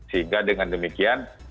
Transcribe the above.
sehingga dengan demikian